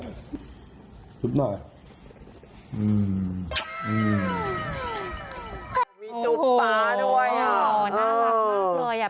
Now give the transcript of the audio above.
มีจุ๊บป๊าด้วยอ่ะอ่อน่ารักมากเลยอ่ะ